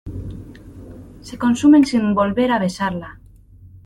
se consumen sin volver a besarla.